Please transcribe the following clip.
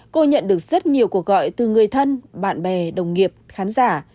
cô nhận được rất nhiều cuộc gọi từ người thân bạn bè đồng nghiệp khán giả